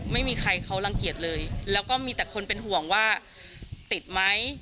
ไม่มีใครเขารังเกียจเลยแล้วก็มีแต่คนเป็นห่วงว่าติดไหม